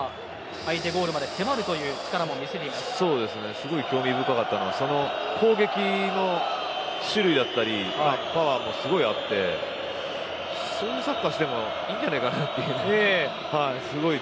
すごい興味深かったのは攻撃の種類だったりパワーもすごいあってそういうサッカーをしてもいいんじゃないかというぐらい。